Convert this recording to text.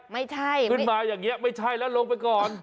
ไม่ใช่ขึ้นมาอย่างนี้ไม่ใช่แล้วลงไปก่อน